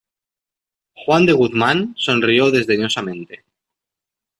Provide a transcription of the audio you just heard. juan de Guzmán sonrió desdeñosamente: